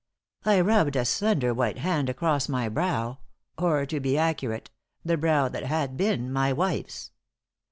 I rubbed a slender white hand across my brow or, to be accurate, the brow that had been my wife's.